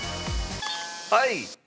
はい。